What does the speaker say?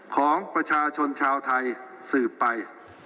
ของประชาชนชาวไทยสืบไป